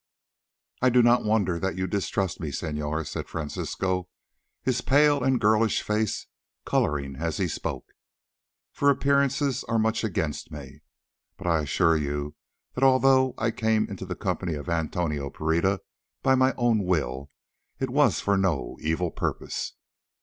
"I do not wonder that you distrust me, senor," said Francisco, his pale and girlish face colouring as he spoke, "for appearances are much against me. But I assure you that although I came into the company of Antonio Pereira by my own will, it was for no evil purpose.